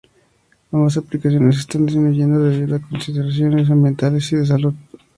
Ambas aplicaciones están disminuyendo debido a consideraciones ambientales y de salud.